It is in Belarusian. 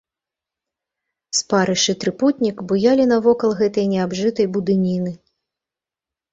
Спарыш і трыпутнік буялі навокал гэтай неабжытай будыніны.